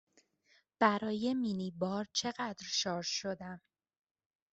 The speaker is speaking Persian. برای مینی بار چقدر شارژ شدم؟